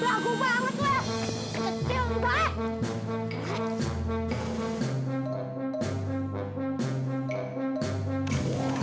ih jahat siapa panggilnya